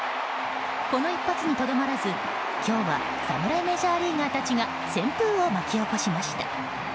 この一発にとどまらず今日は侍メジャーリーガーが旋風を巻き起こしました。